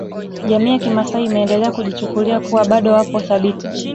Jamii ya kimaasai imeendelea kujichukulia kuwa bado wapo thabiti